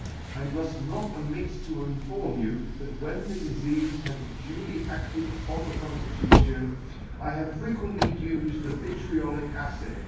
I muff not omit to inform you, that when the difeafe had duly ailed upon the conflitutjon, I have frequently ufed the vitriolic acid.